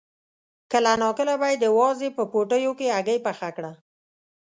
کله ناکله به یې د وازدې په پوټیو کې هګۍ پخه کړه.